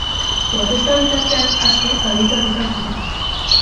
Protesta bitartean askok zaurituak izan ziren.